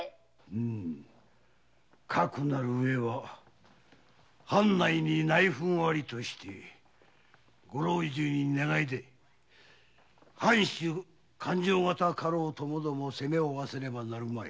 うむかくなるうえは藩内に内紛ありとしてご老中に願い出て藩主勘定方家老ともども責めを負わせねばなるまい。